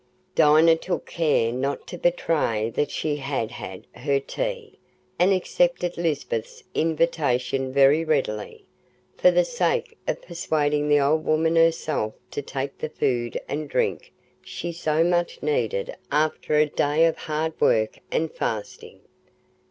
Dinah took care not to betray that she had had her tea, and accepted Lisbeth's invitation very readily, for the sake of persuading the old woman herself to take the food and drink she so much needed after a day of hard work and fasting.